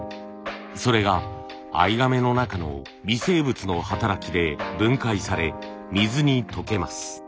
それが藍がめの中の微生物の働きで分解され水に溶けます。